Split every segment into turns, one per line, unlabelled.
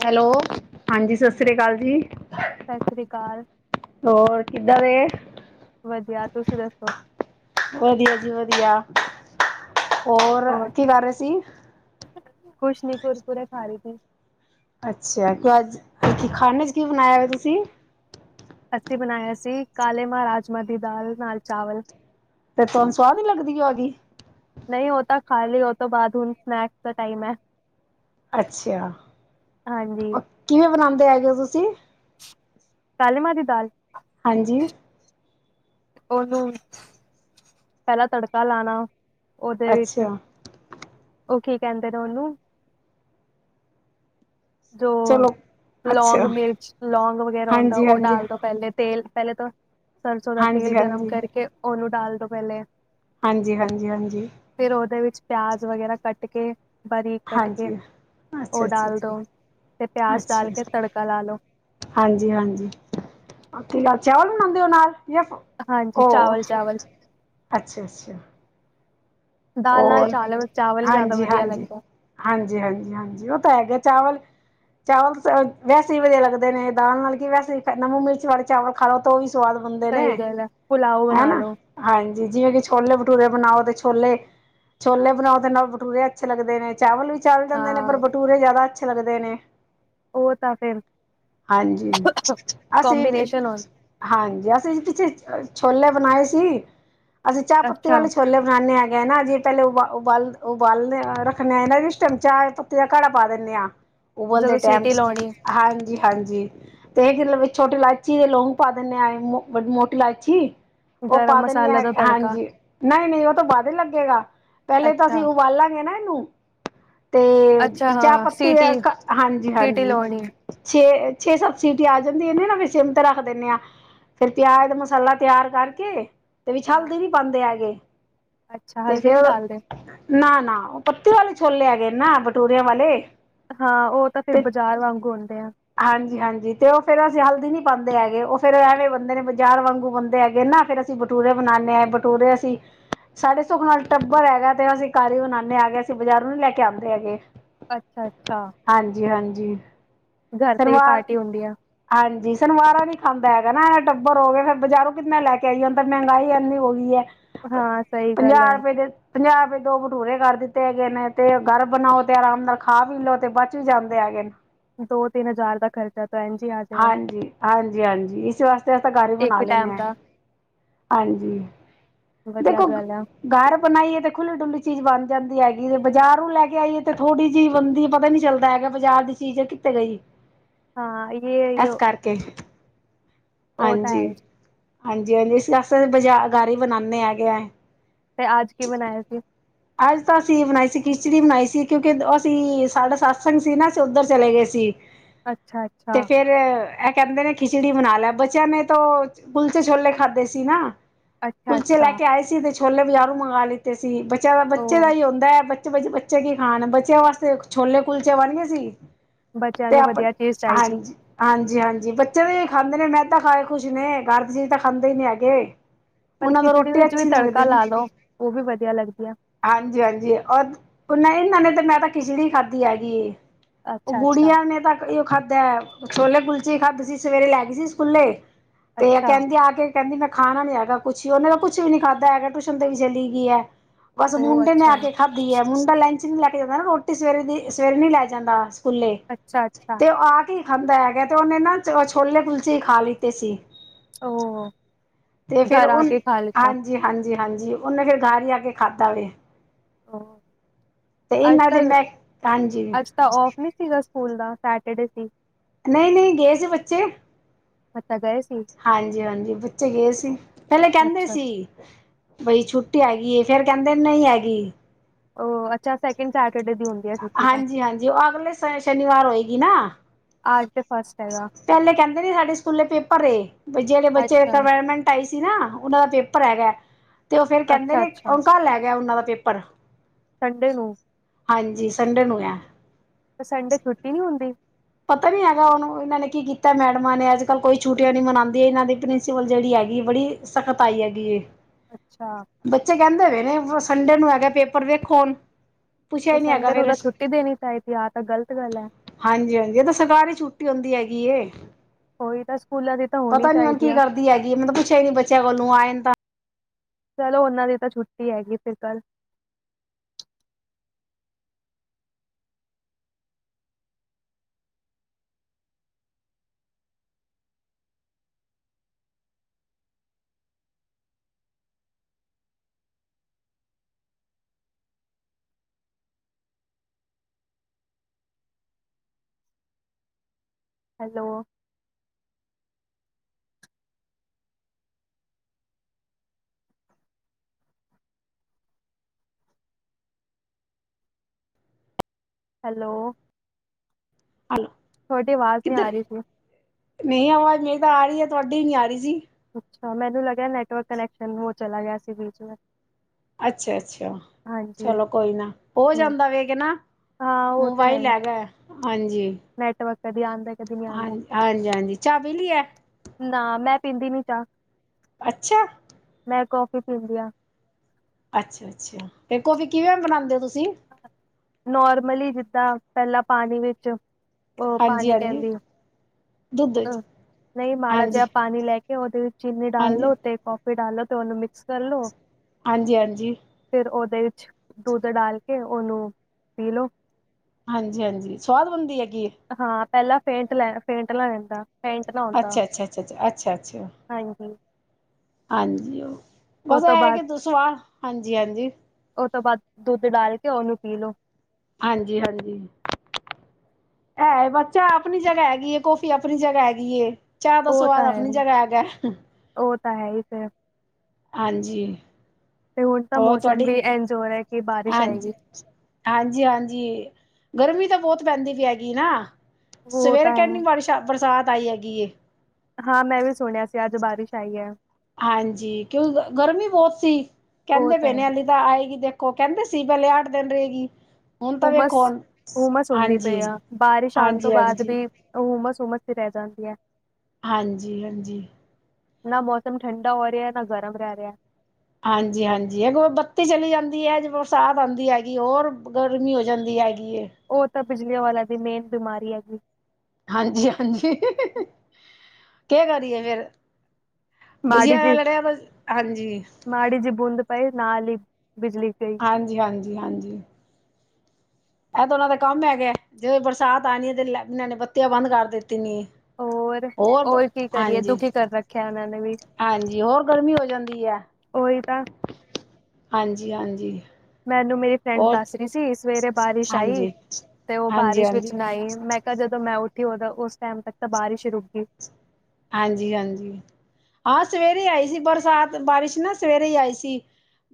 ਓ,
hello ਹਾਂਜੀ ਸਾਸਰੀ ਕਾਲ ਜੀ।
ਸਾਸਰੀ ਕਾਲ।
ਹੋਰ ਕਿੱਦਾਂ ਵੇ,
ਵਧੀਆ ਤੁਸੀਂ ਦੱਸੋ?
ਵਧੀਆ ਜੀ ਵਧੀਆ ਹੋਰ ਕੀ ਕਰ ਰਹੇ ਸੀ।
ਕੁਛ ਨੀ ਕੁੁਰਕੁਰੇ ਖਾ ਰੀ ਸੀ।
ਅੱਛਾ ਕਿ ਅੱਜ ਫਿਰ ਖਾਣੇ ਚ ਕੀ ਬਣਾਇਆ ਤੁਸੀਂ।
ਅਸੀਂ ਬਣਾਇਆ ਸੀ ਕਾਲੇ ਮਾਂ ਰਾਜਮਾਂ ਦੀ ਦਾਲ ਨਾਲ ਚਾਵਲ।
ਤੇ ਤੁਹਾਨੂੰ ਸਵਾਦ ਨੀ ਲੱਗਦੀ [unintelligible]
ਨਹੀਂ ਓ ਤਾਂ ਖਾਲੀ ਓ ਤੋਂ ਬਾਅਦ ਹੁਨ ਸਨੈਕਸ ਦਾ ਟਾਈਮ ਐ।
ਅੱਛਿਆ
ਹਾਂਜੀ
ਕਿਵੇਂ ਬਣਾਂਦੇ ਹੈਗੇ ਤੁਸੀਂ।
ਕਾਲੇ ਮਾਂਹ ਦੀ ਦਾਲ?
ਹਾਂਜੀ।
ਉਹਨੂੰ ਪਹਿਲਾਂ ਤੜਕਾ ਲਾਣਾ ਉਹਦੇ ਵਿੱਚ
ਅੱਛਾ
ਉਹ ਕੀ ਕਹਿੰਦੇ ਨੇ ਉਹਨੂੰ ਜੋ
ਚਲੋ
ਲੌਂਗ,
ਅੱਛਾ
ਮਿਰਚ, ਲੌਗ ਵਗੈਰਾ ਹੁੰਦਾ
ਹਾਂਜੀ
ਉਹ
ਹਾਂਜੀ
ਡਾਲ ਦੋ ਪਹਿਲੇ ਤੇਲ ਪਹਿਲੇ ਤਾਂ ਸਰਸੋਂ ਦਾ
ਹਾਂਜੀ
ਤੇਲ ਗਰਮ
ਹਾਂਜੀ
ਕਰਕੇ ਉਹਨੂੰ ਡਾਲ ਦੋ ਪਹਿਲੇ।
ਹਾਂਜੀ ਹਾਂਜੀ ਹਾਂਜੀ।
ਫਿਰ ਉਹਦੇ ਵਿੱਚ ਪਿਆਜ਼ ਵਗੈਰਾ ਕੱਟ ਕੇ ਬਰੀਕ ਕੱਟ ਕੇ
ਹਾਂਜੀ
ਉਹ
ਅੱਛਾ ਅੱਛਾ
ਡਾਲ ਦੋ। ਤੇ ਪਿਆਜ਼ ਡਾਲ ਕੇ
ਅੱਛਾ
ਤੜਕਾ ਲਾ ਲੋ
ਹਾਂਜੀ ਹਾਂਜੀ ਆਹ ਕੀ ਆ ਚਾਵਲ ਬਣਾਉਂਦੇ ਹੋ ਨਾਲ
ਹਾਂਜੀ
ਉਹ
ਚਾਵਲ ਚਾਵਲ
ਅੱਛਾ ਅੱਛਾ
ਦਾਲ ਨਾਲ
ਹੋਰ
ਚਾਲਵ ਚਾਵਲ ਹੀ ਜ਼ਿਆਦਾ
ਹਾਂਜੀ
ਵਧੀਆ
ਹਾਂਜੀ
ਲੱਗਦਾ।
ਹਾਂਜੀ, ਹਾਂਜੀ, ਹਾਂਜੀ ਉਹ ਤਾਂ ਹੈਗੇ ਚਾਵਲ ਚਾਵਲ ਵੈਸੇ ਹੀ ਵਧੀਆ ਲੱਗਦੇ ਨੇ, ਦਾਲ ਨਾਲ ਕੀ ਵੈਸੇ ਲੂਣ ਮਿਰਚ ਵਾਲੇ ਚਾਵਲ ਖਾ ਲਓ ਤੋਂ ਵੀ ਸਵਾਦ ਬਣਦੇ ਨੇ
ਸਹੀ ਗੱਲ ਹੈ ਪੁਲਾਓ
ਹੈ
ਬਣਾ
ਨਾ
ਲੋ
ਹਾਂਜੀ ਜਿਵੇਂ ਕਿ ਛੋਲੇ ਭਟੂਰੇ ਬਣਾਓ ਤੇ ਛੋਲੇ। ਛੋਲੇ ਬਣਾਓ ਦੇ ਨਾਲ ਬਟੂਰੇ ਅੱਛੇ ਲੱਗਦੇ ਨੇ, ਚਾਵਲ ਵੀ ਚਲ ਜਾਂਦੇ ਨੇ, ਪਰ
ਹਾਂ
ਬਟੂਰੇ ਜ਼ਿਆਦਾ ਅੱਛੇ ਲੱਗਦੇ ਨੇ
ਉਹ ਤਾਂ ਫਿਰ
ਹਾਂਜੀ ਅਸੀਂ
ਕੋਂਬੀਨੇਸ਼ਨ ਹੋ
ਹਾਂਜੀ ਅਸੀਂ ਪਿੱਛੇ ਛੋਲੇ ਬਣਾਏ ਸੀ ਅਸੀਂ ਚਾਹ ਪੱਤੀ
ਅੱਛਾ
ਵਾਲੇ ਛੋਲੇ ਬਣਾਦੇ ਹੈਗੇ ਨਾ ਜੇ। ਪਹਿਲੇ ਉਬਾਲ ਉਬਾਲ ਉਬਾਲ ਰੱਖਣੇ ਆ ਇਹਨਾਂ ਇਸ ਟਾਈਮ ਚਾਹ ਪੱਤੀ ਦਾ ਕਾੜਾ ਪਾ ਦਿੰਨਦੇ ਆ। ਉਬਲਦੇ
ਜਦੋਂ
ਟੈਮ
ਸੀਟੀ ਲਾਉਣੀ
ਹਾਂਜੀ, ਹਾਂਜੀ। ਤੇ ਛੋਟੀ ਇਲਾਇਚੀ ਦੇ ਲੋਂਗ ਪਾ ਦਿੰਦੇ ਆ ਮੋਟੀ ਇਲਾਇਚੀ। ਉਹ
ਗਰਮ
ਪਾ ਦਿੰਦੇ
ਮਸਾਲਾ ਦਾ ਤੜਕਾ
ਹਾਂਜੀ, ਨਹੀਂ ਨਹੀਂ ਉਹ ਤਾਂ ਬਾਅਦ ਲੱਗੇਗਾ। ਪਹਿਲੇ ਤਾਂ ਅਸੀਂ
ਅੱਛਾ
ਉਬਾਲਾਂਗੇ ਨਾ ਇਹਨੂੰ
ਅੱਛਾ
ਤੇ ਚਾਹ
ਹਾਂ
ਪੱਤੀ
ਸੀਟੀ
ਹਾਂਜੀ,
ਸੀਟੀ
ਹਾਂਜੀ।
ਲਾਉਣੀ
ਛੇ, ਛੇ, ਸੱਤ ਸਿਟੀ ਆ ਜਾਂਦੀ ਇਹ ਨਾ ਫਿਰ ਸਿਮ ਤੇ ਰੱਖ ਦਿੰਦੇ ਹਾਂ। ਫਿਰ ਪਿਆਜ਼ ਮਸਾਲਾ ਤਿਆਰ ਕਰਕੇ ਵਿਚ
ਹਾਂ
ਹਲਦੀ ਨੀ ਪਾਉਂਦੇ ਹੈਗੇ
ਅੱਛਾ
ਤੇ
ਹਲਦੀ ਨੀ
ਫੇਰ
ਡਾਲਦੇ
ਨਾ, ਨਾ ਉਹ ਪੱਤੀ ਵਾਲੇ ਛੋਲੇ ਹੈਗੇ ਏ ਨਾ ਬਟੂਰੇ ਆ ਵਾਲੇ
ਹਾਂ ਉਹ ਤਾਂ ਫਿਰ
ਤੇ
ਬਾਜ਼ਾਰ ਵਾਂਗੂ ਹੁੰਦੇ ਆ।
ਹਾਂਜੀ, ਹਾਂਜੀ ਤੇ ਉਹ ਫੇਰ ਅਸੀਂ ਹਲਦੀ ਨੀ ਪਾਉਂਦੇ ਹੈਗੇ, ਉਹ ਫਿਰ ਐਵੇਂ ਬਣਦੇ, ਨੇ ਬਾਜ਼ਾਰ ਵਾਂਗੂ ਬਣਦੇ ਹੈਗੇ ਨਾ ਫਿਰ ਅਸੀਂ ਅਸੀਂ ਬਟੂਰੇ ਬਣਾਦੇ ਹਾਂ ਬਟੂਰੇ ਅਸੀਂ ਸਾਡੇ ਸੁੱਖ ਨਾਲ ਟੱਬਰ ਹੈਗਾ ਤੇ ਅਸੀਂ ਘਰ ਹੀ ਬਣਾਉਂਦੇ ਹੈਗੇ ਆ ਅਸੀਂ ਬਜ਼ਾਰੋਂ ਨੀ ਲੈ ਕੇ ਆਉਂਦੇ ਹੈਗੇ।
ਅੱਛਾ, ਅੱਛਾ।
ਹਾਂਜੀ, ਹਾਂਜੀ।
ਘਰ ਤੇ ਹੀ
ਸਲਵਾਰ
ਪਾਰਟੀ ਹੁੰਦੀ ਆ।
ਹਾਂਜੀ ਫਿਰ ਵਾਰਾ ਨੀ ਖਾਂਦਾ ਹੈਗਾ ਨਾ, ਟੱਬਰ ਹੋਵੇ ਫੇਰ ਬਜ਼ਾਰੋਂ ਕਿੱਨੇ ਲੈ ਕੇ ਆਈਏ। ਮਹਿੰਗਾਈ ਐੰਨੀ ਹੋ ਗਈ ਹੈ,
ਹਾਂ ਸਹੀ ਗੱਲ
ਪੰਜਾਹ
ਹੈ
ਰੁਪਏ ਦੇ ਪੰਜਾਹ ਰੁਪਏ ਦੋ ਬਟੂਰੇ ਕਰ ਦਿੱਤੇ ਹੈਗੇ ਨੇ। ਤੇ ਘਰ ਬਣਾਓ ਤੇ ਆਰਾਮ ਨਾਲ ਖਾ ਪੀ ਲਓ, ਤੇ ਬਚ ਵੀ ਜਾਂਦੇ ਹੈਗੇ ਨੇ।
ਦੋ ਤਿੰਨ ਹਜ਼ਾਰ ਦਾ ਖਰਚਾ ਦਿਨ ਚ ਆ ਜਾਏਗਾ
ਹਾਂਜੀ, ਹਾਂਜੀ, ਹਾਂਜੀ ਇਸ ਵਾਸਤੇ ਅਸੀ ਤਾਂ ਘਰ ਬਣਾ
ਇੱਕ
ਲੈਂਦੇ
ਟਾਈਮ
ਹਾਂ।
ਦਾ
ਹਾਂਜੀ
ਵਧੀਆ
ਦੇਖੋ।
ਗੱਲ ਆ
ਘਰ ਬਣਾਈਏ ਤੇ ਖੁੱਲੀ ਡੁੱਲੀ ਚੀਜ਼ ਬਣ ਜਾਂਦੀ ਹੈਗੀ, ਤੇ ਬਾਜ਼ਾਰ ਨੂੰ ਲੈ ਕੇ ਆਈਏ ਤੇ ਥੋੜ੍ਹੀ ਜਿਹੀ ਬਣਦੀਏ ਪਤਾ ਨੀ ਚੱਲਦਾ। ਹੈਗਾ ਬਾਜ਼ਾਰ ਦੀ ਚੀਜ਼ ਕੀਤੇ ਗਈ।
ਹਾਂ ਇਹ
ਇਸ ਕਰਕੇ ਹਾਂਜੀ। ਹਾਂਜੀ, ਹਾਂਜੀ ਇਸ ਵਾਸਤੇ ਘਰ ਬਣਾਉਦੇ ਹੈਗੇ ਆ।
ਤੇ ਅੱਜ ਕੀ ਬਣਾਇਆ ਸੀ।
ਅੱਜ ਤਾਂ ਅਸੀਂ ਬਣਾਈ ਸੀ, ਖਿਚੜੀ ਬਣਾਈ ਸੀ। ਕਿਉਂਕਿ ਅਸੀਂ ਸਾਡਾ ਸਤਸੰਗ ਸੀ ਨਾ ਅਸੀਂ ਉੱਧਰ ਚਲੇ ਗਏ ਸੀ।
ਅੱਛਾ, ਅੱਛਾ।
ਫਿਰ, ਇਹ ਕਹਿੰਦੇ ਨੇ ਖਿਚੜੀ ਬਣਾ ਲਿਆ। ਬੱਚਿਆਂ ਨੇ ਤਾਂ ਕੁਲਚੇ ਛੋਲੇ ਖਾਧੇ ਸੀ ਨਾ। ਕੁਲਚੇ ਲੈ ਕੇ ਆਏ ਸੀ ਤੇ ਛੋਲੇ ਬਜਾਰੋਂ ਮੰਗਵਾ ਲਿੱਤੇ ਸੀ। ਚੇਆਂ ਦਾ ਬੱਚੇ ਦਾ
ਉਹ
ਈ ਹੁੰਦੈ। ਬੱਚੇ, ਬੱਚੇ, ਬੱਚੇ ਕੀ ਖਾਣ। ਬੱਚੇਆਂ ਵਾਸਤੇ ਛੋਲੇ ਕੁਲਚੇ ਬਣਗੇ ਸੀ।
ਬੱਚਿਆਂ
ਤੇ
ਨੂੰ
ਆਪਨ
ਵਧੀਆ ਚੀਜ਼ ਚਾਹੀਦੀ
ਹਾਂਜੀ। ਹਾਂਜੀ-ਹਾਂਜੀ ਬੱਚੇ ਵੀ ਖਾਂਦੇ ਨੇ। ਮੈਦਾ ਖਾ ਕੇ ਖੁਸ਼ ਨੇ। ਘਰ ਦੀ ਚੀਜ਼ ਤਾਂ ਖਾਂਦੇ ਈ ਨੀ ਹੈਗੇ।
ਪਰ
ਓਨਾਂ ਦੇ
ਖਿਚੜੀ
ਰੋਟੀ
ਵਿੱਚ ਵੀ
ਅੱਛੀ ਨੀ ਲੱਗਦੀ
ਤੜਕਾ
ਜੀ।
ਲਾ ਲਓ ਉਹ ਵੀ ਵਧੀਆ ਲੱਗਦੀਆਂ।
ਹਾਂਜੀ-ਹਾਂਜੀ ਅਧ ਪ ਨਈ ਏਨਾਂ ਨੇ ਤੇ ਮੈਂ ਤਾਂ ਖਿਚੜੀ ਖਾਧੀ ਹੈਗੀ ਏ। ਓ
ਅੱਛਾ ਅੱਛਾ
ਗੁੜੀਆਂ ਨੇ ਤਾਂ ਏਯੋ ਖਾਧੈ ਛੋਲੇ ਕੁਲਚੇ ਖਾਧੇ ਸੀ ਸਵੇਰੇ ਲੈਗੀ ਸੀ ਸਕੂਲੇ। ਤੇ ਓ
ਅੱਛਾ
ਕੈਂਦੇ ਆ ਕੇ ਕੈਂਦੀ ਮੈਂ ਖਾਣਾ ਨੀ ਹੈਗਾ ਕੁਛ। ਓਨੇ ਤਾਂ ਕੁਛ ਵੀ ਨੀ ਖਾਧਾ ਹੈਗੈ। ਟਿਊਸ਼ਨ ਤੇ ਵੀ ਚਲੀਗੀ ਐ। ਬਸ
ਉਹ
ਮੁੰਡੇ ਨੇ ਆ
ਅੱਛਾ
ਕੇ ਖਾਧੀ ਐ। ਮੁੰਡਾ ਲੰਚ ਨੀ ਲੈ ਕੇ ਜਾਂਦਾ ਨਾ ਰੋਟੀ ਸਵੇਰੇ ਦੀ, ਸਵੇਰੇ ਨੀ ਲੈ ਜਾਂਦਾ ਕੁੱਲੇ
ਅੱਛਾ ਅੱਛਾ
ਤੇ ਓ ਆ ਕੇ ਈ ਖਾਂਦਾ ਹੈਗੈ ਤੇ ਓਨੇ ਨਾ ਚੋ ਛੋਲੇ ਕੁਲਚੇ ਈ ਖਾ ਲਿੱਤੇ ਸੀ।
ਉਹ
ਤੇ ਫੇਰ
ਘਰ ਆ
ਓਨ,
ਕੇ ਖਾ ਲਿੱਤਾ
ਹਾਂਜੀ ਹਾਂਜੀ-ਹਾਂਜੀ ਓਨੇ ਫੇਰ ਗਾਰ ਈ ਆ ਕੇ ਖਾਧਾ ਵੇ। ਤੇ
ਅੱਜ
ਇਹਨਾਂ ਦੇ
ਤਲ,
ਮੈਂ ਹਾਂਜੀ
ਅੱਜ ਤਾਂ ਔਫ ਨੀ ਸੀਗਾ ਸਕੂਲ ਦਾ ਸੈਟਰਡੇ ਸੀ।
ਨਈ-ਨਈ ਗਏ ਸੀ ਬੱਚੇ।
ਅੱਛਾ ਗਏ ਸੀ
ਹਾਂਜੀ-ਹਾਂਜੀ ਬੱਚੇ ਗਏ ਸੀ। ਪੈਲੇ ਕੈਂਦੇ
ਅੱਛਾ
ਸੀ ਬਈ ਛੁੱਟੀ ਹੈਗੀ ਏ, ਫੇਰ ਕੈਂਦੇ ਨਈ ਹੈਗੀ।
ਓ ਅੱ ਛਾ, ਸੈਕਿੰਡ ਸੈਚਰਡੇ ਦੀ ਹੁੰਦੀ ਏ ਛੁੱਟੀ ਤਾਂ।
ਹਾਂਜੀ ਹਾਂਜੀ ਉਹ ਅਗਲੇ ਸ਼ਨੀਵਾਰ
ਅ ਤੇ ਫਸਟ ਟਾਈਮ
ਪੈਲੇ ਕੈਂਦੇ ਹੀ ਸਾਡੇ ਸਕੂਲੇ ਪੇਪਰ ਏ। ਬਈ ਜੇੜੇ ਬੱਚੇ ਦੇ ਏੱਕ
ਅੱਛਾ
ਐਵਾਇਰਮੈਂ ਟ ਆਈ ਸੀ ਨਾ, ਓਨਾਂ ਦਾ ਪੇਪਰ ਹੈਗੈ ਤੇ ਓ ਫੇਰ ਕੈਂਦੇ
ਅੱਛਾ
ਨੇ ਏੱਕ
ਅੱਛਾ
ਅ, ਕਲ ਹੈਗੈ ਓਨਾਂ ਦਾ ਪੇਪਰ।
ਸੰਡੇ ਨੂੰ।
ਹਾਂਜੀ, ਸੰਡੇ ਨੂੰ ਈ ਐ।
ਤੇ ਸੰਡੇ ਛੁੱਟੀ ਨੀ ਹੁੰਦੀ।
ਪਤਾ ਨੀ ਹੈਗਾ ਓਨੂੰ, ਏਨਾਂ ਨੇ ਕੀ ਕੀਤੈ ਮੈਡਮਾਂ ਨੇ, ਅੱਜ ਕਾੱਲ ਕੋਈ ਛੁੱਟੀਆਂ ਨੀ ਮਨਾਂਦੀ ਏਨਾਂ ਦੀ ਪ੍ਰਿੰਸੀਪਲ ਜੜੀ ਹੈਗੀ ਬੜੀ ਸਖਤਾਈ ਹੈਗੀ ਏ।
ਅੱਛਾ।
ਬੱਚੇ ਕੈਂਦੇ ਪੇ ਨੇ ਬ ਸੰਡੇ ਨੂੰ ਹੈਗੈ ਪੇਪਰ, ਵੇਖੋ ਹੁਣ। ਪੁੱਛਿਆ
ਤੇ
ਹੀ ਨੀ ਹੈਗਾ
ਸੰਡੇ ਨੂੰ
ਫੇਰ
ਤਾਂ ਛੁੱਟੀ ਦੇਣੀ ਚਾਈਦੀ ਆ। ਆ ਤੇ ਗ਼ਲਤ ਗਲ ਐ।
ਹਾਂਜੀ-ਹਾਂਜੀ ਏ ਤਾਂ ਸਰਕਾਰੀ ਛੁੱਟੀ ਹੁੰਦੀ ਹੈਗੀ ਏ।
ਓਈ ਤਾਂ ਸਕੂਲਾਂ ਦੀ ਤਾਂ ਹੋਣੀ
ਪਤਾ ਨੀ ਹੁਣ
ਚਾਈਦੀ
ਕੀ
ਆ।
ਕਰਦੀ ਹੈਗੀ ਏ ਮੈ ਤਾਂ ਪੁੱਛਿਆ ਈ ਨੀ ਬੱਚੇ ਆਂ ਕੋਲੋਂ ਆਏ ਨੇ ਤਾਂ।
ਚਲੋ ਓਨਾਂ ਦੀ ਤਾਂ ਛੁੱਟੀ ਹੈਗੀ ਏ ਫੇਰ ਕਾੱਲ। ਹੈਲੋ। ਹੈਲੋ,
ਹੈਲੋ
ਤੁਆਡੀ ਅਵਾਜ਼ ਨੀ ਆ
ਕਿੱਧਰ
ਰੀ ਸੀ।
ਮੇਰੀ ਆਵਾਜ ਲੇਟ ਆ ਰੀ ਆ, ਤੁਆਡੀ ਨੀ ਆ ਰੀ ਸੀ।
ਅੱਛਾ, ਮੈਨੂੰ ਲੱਗਿਆ ਨੈਟਵਰਕ ਕਨੈਕਸ਼ਨ ਹੋ ਚਲਾ ਗਿਆ ਸੀ ਬੀਚ ਮੇਂ
ਅੱਛਾ-ਅੱਛਾ ਚਲੋ ਕੋਈ ਨਾ ਹੋ
ਹਮ
ਜਾਂਦਾ ਵੇ ਗਨਾ।
ਹਾਂ ਉਹ ਤੇ ਹੈ
ਮੋਬਾਈਲ ਹੈਗੈ, ਹਾਂਜੀ।
ਨੈਟਵਰਕ ਕਦੀ ਆਂਦੈ, ਕਦੀ ਨਈ।
ਹਾਂ, ਹਾਂਜੀ-ਹਾਂਜੀ, ਚਾਅ ਪੀ ਲੀ ਐ?
ਨਾਂ, ਮੈਂ ਪੀਂਦੀ ਨੀ ਚਾਹ।
ਅੱਛਿਆ
ਮੈਂ ਕੌਫੀ ਪੀਂਦੀ ਆ।
ਅੱਛਿਆ-ਅੱਛਿਆ, ਤੇ ਕੌਫੀ ਕਿਵੇਂ ਬਣਾਉਂਦੇ ਓ, ਤੁਸੀਂ?
ਨੋਰਮਲੀ ਜਿੱਦਾਂ, ਪਹਿਲਾਂ ਪਾਣੀ ਵਿੱਚ ਉਹ
ਹਾਂਜੀ
ਪਾਣੀ
ਹਾਂਜੀ
ਕਹਿੰਦੀ ਓ,
ਦੁੱਧ ਚ
ਅ, ਨਹੀਂ ਮਾੜਾ ਜਿਹਾ
ਹਾਂਜੀ
ਪਾਣੀ ਲੈ ਕੇ ਤੇ ਦੇ ਵਿੱਚ ਚੀਨੀ
ਹਾਂਜੀ
ਡਾਲਲੋ ਤੇ ਕੌਫੀ ਡਾਲਲੋ ਤੇ ਉਹਨੂੰ ਮਿਕਸ ਕਰ ਲੋ
ਆਂਜੀ-ਆਂਜੀ
ਫਿਰ ਉਹਦੇ ਵਿੱਚ ਦੁੱਧ ਡਾਲ ਕੇ ਉਹਨੂੰ, ਪੀ ਲਓ।
ਹਾਂਜੀ- ਹਾਂਜੀ, ਸਵਾਦ ਬਣਦੀ ਹੈਗੀ।
ਹਾਂ, ਪਹਿਲਾਂ ਫੇਟ ਲੈ ਫੇਟਨੇ ਲੈਂਦਾ, ਫੇਟਲਾ ਆਉਂਦਾ।
ਅੱਛਾ-ਅੱਛਾ, ਅੱਛਾ-ਅੱਛਾ, ਅੱਛਾ-ਅੱਛਾ
ਹਾਂਜੀ
ਹਾਂਜੀ ਉਹ
ਉਹ
ਬਸ
ਤੋਂ
ਇਹ
ਬਾਅਦ
ਕਿ ਦ ਸਵਾਰ ਹਾਂਜੀ ਹਾਂਜੀ
ਉਹ ਤੋਂ ਬਾਦ, ਦੁੱਧ ਡਾਲ ਕੇ ਉਹਨੂੰ ਪੀ ਲਓ।
ਹਾਂਜੀ -ਹਾਂਜੀ ਹੈ, ਬੱਚਾ ਆਪਣੀ ਜਗ੍ਹਾ ਹੈਗੀ ਏ, ਕੌਫੀ ਆਪਣੀ ਜਗ੍ਹਾ ਹੈਗੀ ਏ। ਚਾਹ ਦਾ
ਉਹ
ਸਵਾਦ
ਤਾਂ ਹੈ
ਆਪਣੀ ਜਗ੍ਹਾ ਹੈਗਾ ਐ।
ਉਹ ਤਾਂ ਹੈ ਈ ਫਿਰ।
ਹਾਂਜੀ
ਤੇ ਹੁਣ ਤਾਂ
ਹੋਰ
ਮੌਸਮ
ਤੁਹਾਡੀ
ਵੀ ਇੰਜ, ਹੋ ਰਿਆ ਏ ਕਿ ਬਾਰਿਸ਼ ਆਏਗੀ।
ਹਾਂਜੀ- ਹਾਂਜੀ, ਗਰਮੀ ਤਾਂ ਬਹੁਤ ਪੈਂਦੀ ਪਈ ਹੈਗੀ ਨਾ,
ਉਹ
ਸਵੇਰੇ
ਤਾਂ ਹੈ
ਕਿੰਨੀ ਬਾਰਿਸ਼ ਤਾਂ ਬਰਸਾਤ ਆਈ ਹੈਗੀ ਏ।
ਹਾਂ, ਮੈਂ ਵੀ ਸੁਣਿਆ ਸੀ, ਅੱਜ ਬਾਰਿਸ਼ ਆਈ ਐ।
ਹਾਂਜੀ, ਕਿਉਂ ਗ ਗਰਮੀ ਬਹੁਤ ਸੀ,
ਉਹ
ਕਹਿੰਦੇ
ਤਾਂ
ਪਏ
ਹੈ
ਨੇ ਦ ਆਏਗੀ ਦੇਖੋ ਕਹਿੰਦੇ ਸੀ, ਪਹਿਲੇ ਆਠ ਦਿਨ ਰਹੇਗੀ। ਹੁਣ ਤਾਂ
ਹੁਮਸ
ਵੇਖੋ ਹੁਣ
-ਹੁਮਸ ਹੁੰਦੀ ਪਈ
ਹਾਂਜੀ
ਆ, ਬਾਰਿਸ਼ ਆਉਣ
ਹਾਂਜੀ
ਤੋਂ ਬਾਅਦ
ਹਾਂਜੀ
ਵੀ ਉਹ ਹੁਮਸ -ਹੁਮਸ ਤੇ ਰਹਿ ਜਾਂਦੀ ਐ।
ਹਾਂਜੀ- ਹਾਂਜੀ!
ਨਾ ਮੌਸਮ ਠੰਡਾ ਹੋ ਰਿਹਾ ਨਾ ਗਰਮ ਰਹਿ ਰਿਹਾ!
ਹਾਂਜੀ-ਹਾਂਜੀ ਹੈਗ ਬੱਤੀ ਚਲੀ ਜਾਂਦੀ ਹੈ ਜ ਬਰਸਾਤ ਆਉਂਦੀ ਹੈਗੀ ਹੋਰ ਗਰਮੀ ਹੋ ਜਾਂਦੀ ਹੈਗੀ ਹੈ।
ਉਹ ਤਾਂ ਬਿਜਲੀਆਂ ਵਾਲਾ ਦੀ ਮੇਨ ਬਿਮਾਰੀ ਹੈਗੀ।
ਹਾਂਜੀ ਹਾਂਜੀ ਕਿ ਕਰੀਏ ਫਿਰ। ਬਿਜਲੀ
ਮਾੜੀ
ਆ
ਜੀ
ਲੜਿਆ ਵ ਹਾਂਜੀ।
ਮਾੜੀ ਜੀ ਬੂੰਦ ਪਏ ਨਾਲ ਹੀ ਬਿਜਲੀ ਗਈ।
ਹਾਂਜੀ-ਹਾਂਜੀ-ਹਾਂਜੀ। ਇਹ ਤਾਂ ਉਹਨਾਂ ਦੇ ਕੰਮ ਹੈਗੇ, ਜਦੋਂ ਬਰਸਾਤ ਆਣੀ ਹੈ ਤੇ ਇਹਨਾਂ ਨੇ ਬੱਤੀਆਂ ਬੰਦ ਕਰ ਦਿੱਤੀ ਨੇ। ਹੋਰ
ਹੋਰ-ਹੋਰ ਕੀ ਕਰੀਏ
ਹਾਂਜੀ
ਦੁਖੀ ਕਰ ਰੱਖਿਆ ਉਹਨਾਂ ਨੇ ਵੀ।
ਹਾਂਜੀ ਹੋਰ ਗਰਮੀ ਹੋ ਜਾਂਦੀ ਹੈ
ਉਹੀ ਤਾਂ
ਹਾਂਜੀ-ਹਾਂਜੀ।
ਮੈਨੂੰ ਮੇਰੀ ਫਰੈਂਡ ਦੱਸ ਰਹੀ ਸੀ, ਸਵੇਰੇ ਬਾਰਿਸ਼ ਆਈ
ਹਾਂਜੀ
ਤੇ ਉਹ
ਹਾਂਜੀ
ਬਾਰਿਸ਼ ਵਿੱਚ
ਹਾਂਜੀ
ਨਾਈ ਆਈ ਮੈਂ। ਜਦੋਂ ਮੈਂ ਉੱਠੀ ਓਦੋ ਉਸ ਟਾਈਮ ਤੱਕ ਤਾਂ ਬਾਰਿਸ਼ ਹੀ ਰੁਕ ਗਈ।
ਹਾਂਜੀ-ਹਾਂਜੀ, ਹਾਂ ਸਵੇਰੇ ਆਈ ਸੀ ਬਰਸਾਤ ਬਾਰਿਸ਼ ਨਾ ਸਵੇਰੇ ਹੀ ਆਈ ਸੀ।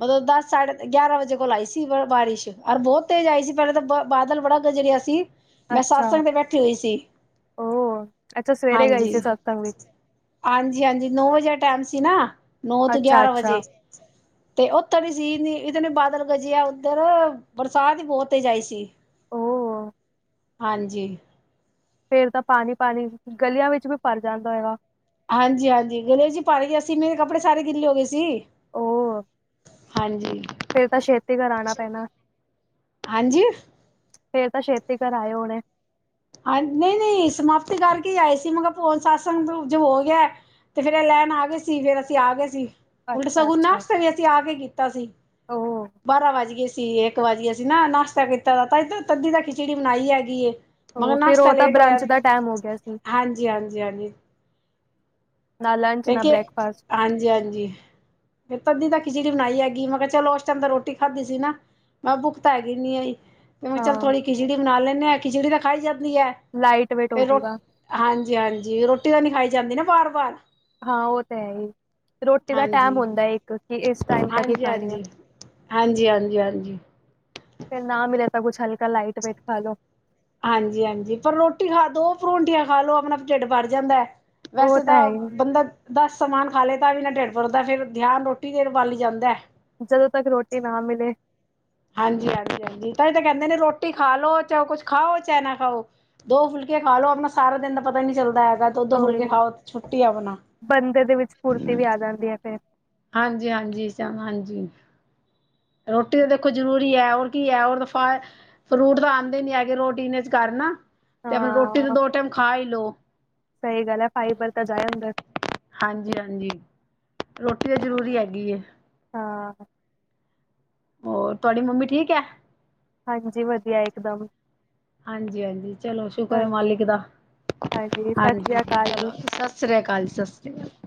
ਮਤਲਬ ਦਸ ਸਾਢੇ ਗਿਆਰਾਂ ਵਜੇ ਕੋਲ ਆਈ ਸੀ ਬਾਰਿਸ਼, ਔਰ ਬਹੁਤ ਤੇਜ਼ ਆਈ ਸੀ ਪਹਿਲੇ ਤਾਂ ਬ। ਬਾਦਲ ਬੜਾ ਗਜਰਿਆ ਸੀ। ਮੈਂ
ਅੱਛਾ
ਸਤਸੰਗ ਤੇ ਬੈਠੀ ਹੋਈ ਸੀ
ਉਹ ਅੱਛਾ ਸਵੇਰੇ ਗਈ
ਹਾਂਜੀ।
ਸੀ ਸਤਸੰਗ ਵਿੱਚ
ਹਾਂਜੀ-ਹਾਂਜੀ ਨੌ ਵਜੇ ਟਾਈਮ ਸੀ, ਨਾ ਨੌ ਤੋਂ
ਅੱਛਾ
ਗਿਆਰਾਂ ਵਜੇ।
ਅੱਛਾ
ਤੇ ਉੱਤ ਵੀ ਸੀ ਨਹੀਂ ਇਤਨੇ ਬਾਦਲ ਗਜਿਆ ਉੱਧਰ। ਬਰਸਾਤ ਹੀ ਬਹੁਤ ਤੇਜ ਆਈ ਸੀ।
ਹੋ।
ਹਾਂਜੀ।
ਫੇਰ ਤਾਂ ਪਾਣੀ ਪਾਣੀ ਗਲੀਆਂ ਵਿੱਚ ਵੀ ਭਰ ਜਾਂਦਾ ਹੋਏਗਾ।
ਹਾਂਜੀ ਹਾਂਜੀ ਗਲੇ ਚ ਹੀ ਪੜ ਗਇਆ ਸੀ ਮੇਰੇ ਕੱਪੜੇ ਸਾਰੇ ਗਿੱਲੇ ਹੋ ਗਏ ਸੀ।
ਉਹ
ਹਾਂਜੀ
ਫੇਰ ਤਾਂ ਛੇਤੀ ਘਰ ਆਣਾ ਪੈਣਾ
ਹਾਂਜੀ।
ਫੇਰ ਤਾਂ ਛੇਤੀ ਘਰ ਆਏ ਹੋਣੇ।
ਹਾਂ ਨਹੀਂ ਨਹੀਂ ਸਮਾਪਤੀ ਕਰਕੇ ਆਏ ਸੀ ਮੈਂ ਕਿਹਾ ਹੋਣ ਸਤਸੰਗ ਜੋ ਹੋ ਗਿਆ। ਤੇ ਫੇਿਰ ਇਹ ਲੈਣ ਆ ਗਏ ਸੀ ਫਿਰ ਅਸੀਂ ਆ ਗਏ ਸੀ। ਉਲਟ
ਅੱਛਾ
ਸਗੂ
ਅੱਛਾ।
ਨਾਸ਼ਤੇ ਵੀ ਅਸੀਂ ਆ ਕੇ ਕੀਤਾ ਸੀ
ਉਹ
ਬਾਰਾਂ ਵਜੇ। ਏਸੀ ਇੱਕ ਵਜ ਗਇਆ ਸੀ ਨਾ ਨਾਸ਼ਤਾ ਕੀਤਾ ਤਾਂ ਤੱਦੀ ਦਾ ਖਿਚੜੀ ਬਣਾਈ ਹੈਗੀ। ਮਗਰ
ਫੇਰ
ਨਾਸ਼ਤਾ
ਉਹ ਤਾਂ
ਲੇਟ ਹੋਇਆ
ਬਰੰਚ ਦਾ ਟਾਈਮ ਹੋ ਗਿਆ ਸੀ
ਹਾਂਜੀ ਹਾਂਜੀ ਹਾਂਜੀ।
ਨਾ ਲੰਚ ਨਾ
ਪੇਕੇ
ਬ੍ਰੇਕਫਾਸਟ
ਹਾਂਜੀ ਹਾਂਜੀ। ਤੱਦੀ ਤਾਂ ਖਿਚੜੀ ਬਣਾਈ ਹੈਗੀ ਮੈਂ ਕਿਹਾ ਚਲੋ ਉਸ ਟਾਈਮ ਤਾਂ ਰੋਟੀ ਖਾਧੀ ਸੀ ਨਾ। ਮੈਂ ਕਿਹਾ ਭੁੱਖਤਾ ਹੈਗੀ ਨਹੀਂ ਆਈ ਤੇ ਮੈ ਕਿਹਾ ਚੱਲ
ਹਾਂ
ਥੋੜ੍ਹੀ ਖਿਚੜੀ ਬਣਾ ਲੈਂਦੇ ਆ ਖਿਚੜੀ ਤਾਂ ਖਾਈ ਜਾਂਦੀ ਹੈ।
ਲਾਈਟ ਵੇਟ
ਤੇ ਰੋ
ਹੋਜੂਗਾ।
ਹਾਂਜੀ ਹਾਂਜੀ ਰੋਟੀ ਤਾਂ ਨਹੀਂ ਖਾਈ ਜਾਂਦੀ ਨਾ ਵਾਰ ਵਾਰ।
ਹਾਂ ਉਹ ਤਾਂ ਹੈ ਹੀ ਰੋਟੀ ਦਾ ਟਾਈਮ
ਹਾਂਜੀ
ਹੁੰਦਾ ਹੈ ਇੱਕ ਕਿ ਇਸ ਟਾਈਮ ਤੱਕ ਹੀ
ਹਾਂਜੀ
ਖਾਣੀ ਆ।
ਹਾਂਜੀ ਹਾਂਜੀ ਹਾਂਜੀ ਹਾਂਜੀ।
ਫਿਰ ਨਾ ਮਿਲਿਆ ਤਾਂ ਕੁਛ ਹਲਕਾ ਲਾਈਟ ਵੇਟ ਖਾ ਲੋ।
ਹਾਂਜੀ ਹਾਂਜੀ ਪਰ ਰੋਟੀ ਖਾ ਦੋ ਪਰੋਂਠੀਆਂ ਖਾ ਲੋ ਆਪਣਾ ਢਿੱਡ ਬਰ ਜਾਂਦਾ।
ਉਹ
ਵੈਸੇ ਤਾਂ
ਹੈ ਹੀ
ਬੰਦਾ। ਦੱਸ ਸਮਾਨ ਖਾ ਲੇ ਤਾਂ ਵੀ ਨਾ ਟਿਡ ਭਰਦਾ ਫੇਰ ਧਿਆਨ ਰੋਟੀ ਦੇ ਵੱਲ ਜਾਂਦਾ।
ਜਦੋਂ ਤੱਕ ਰੋਟੀ ਨਾ ਮਿਲੇ।
ਹਾਂਜੀ ਹਾਂਜੀ ਹਾਂਜੀ ਤਾਂ ਇਹ ਤਾਂ ਕਹਿੰਦੇ ਨੇ ਰੋਟੀ ਖਾ ਲੋਓ ਚਾਹੇ ਕੁੱਛ ਖਾਓ ਚਾਹੇ ਨਾ ਖਾਓ। ਦੋ ਫੁਲਕੇ ਖਾ ਲੋ ਆਪਣਾ ਸਾਰਾ ਦਿਨ ਦਾ ਪਤਾ ਹੀ ਨੀ ਚੱਲਦਾ ਹੈਗਾ। ਦੋ ਦੋ
ਉਹੀ
ਫੁਲਕੇ ਖਾਓ ਛੁੱਟੀ ਆ ਆਪਣਾ।
ਕਰਦੀ ਹੈ ਤੇ।
ਹਾਂਜੀ ਹਾਂਜੀ ਸਮ ਹਾਂਜੀ। ਰੋਟੀ ਤਾਂ ਦੇਖੋ ਜ਼ਰੂਰੀ ਹੈ ਔਰ ਕੀ ਹੈ ਫਾ। ਫਰੂਟ ਤਾਂ ਆਉਂਦੇ ਨੀ ਹੈਗੇ ਰੋਟੀਨ ਚ ਘਰ ਨਾ ਤੇ ਆਪ ਰੋਟੀ ਤੇ
ਹਾਂ
ਦੋ ਟਾਈਮ ਖਾ ਹੀ ਲੋਓ।
ਸਹੀ ਗੱਲ ਏ ਫਾਈ ਬੰਦਾ ਜਾਏ ਅੰਦਰ।
ਹਾਂਜੀ, ਹਾਂਜੀ ਰੋਟੀ ਤਾਂ ਜ਼ਰੂਰੀ ਹੈਗੀ ਏ।
ਹਾਂ।
ਹੋਰ ਤੁਹਾਡੀ ਮੰਮੀ ਠੀਕ ਏ।
ਹਾਂਜੀ ਵਧੀਆ ਇਕ ਦੱਮ।
ਹਾਂਜੀ ਹਾਂਜੀ ਚਲੋ ਸ਼ੁਕਰ ਹੈ ਮਾਲਿਕ ਦਾ
ਸਤਿ
ਹਾਂਜੀ
ਸ੍ਰੀ ਅਕਾਲ ਜੀ।
ਸਤ ਸ੍ਰੀ ਸਤ੍ਰਿਆ ਅਕਾਲ ਸਤਿ ਸ਼੍ਰੀ ਅਕਾਲ